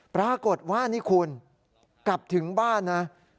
ปรากฏว่านี่คุณกลับถึงบ้านนะ